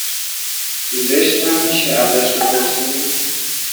زشت هم میشه ازش بپرسیم